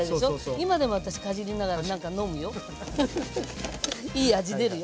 今でも私かじりながら何か飲むよ。